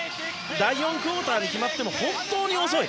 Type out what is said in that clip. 第４クオーターで決まっても本当に遅い。